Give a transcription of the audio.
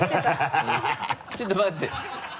ちょっと待って。